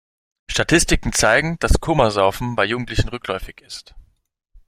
Statistiken zeigen, dass Komasaufen bei Jugendlichen rückläufig ist.